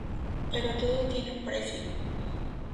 Pero todo tiene un precio.